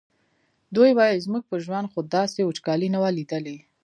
دوی ویل زموږ په ژوند خو داسې وچکالي نه وه لیدلې.